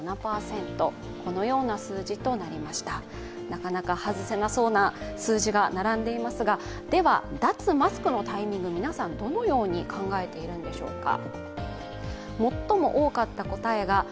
なかなか外せなそうな数字が並んでいますが、では脱マスクのタイミング、皆さんどのように考えているんでしょうか。